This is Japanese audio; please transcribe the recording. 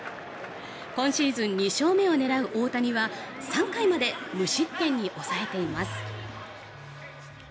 今シーズン２勝目を狙う大谷は３回まで無失点に抑えています。